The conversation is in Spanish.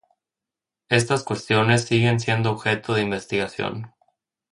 Estas cuestiones siguen siendo objeto de investigación.